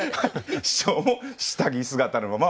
下着姿で？